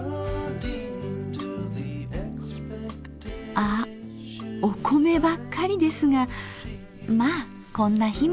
あっお米ばっかりですがまあこんな日もあるよね。